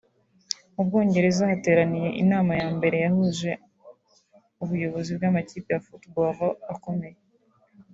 Mu Bwongereza hatiraniye inama ya mbere yahuje ubuyobozi bw’amakipe ya Football akomeye